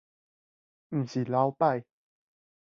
毋是流擺